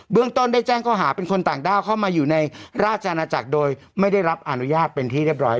เรื่องต้นได้แจ้งข้อหาเป็นคนต่างด้าวเข้ามาอยู่ในราชอาณาจักรโดยไม่ได้รับอนุญาตเป็นที่เรียบร้อย